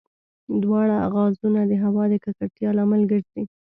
دواړه غازونه د هوا د ککړتیا لامل ګرځي.